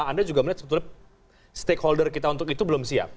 anda juga melihat sebetulnya stakeholder kita untuk itu belum siap